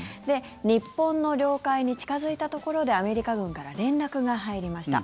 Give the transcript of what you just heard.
日本の領海に近付いたところでアメリカ軍から連絡が入りました。